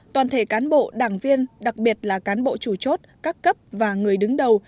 toàn thể cán bộ đảng viên đặc biệt là cán bộ chủ chốt các cấp và người đứng đầu